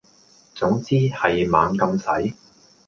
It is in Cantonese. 總之係猛咁使